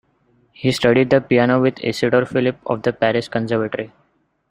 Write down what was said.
He studied the piano with Isidor Philipp of the Paris Conservatory.